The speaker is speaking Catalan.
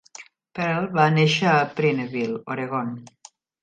Pearl va néixer a Prineville, Oregon.